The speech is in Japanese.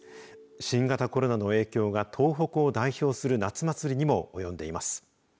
新型コロナの影響が東北を代表する夏祭りにもおよんでいます。